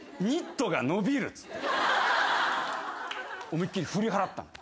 思いっ切り振り払ったの。